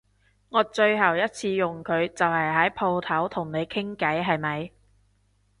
我最後一次用佢就係喺舖頭同你傾偈係咪？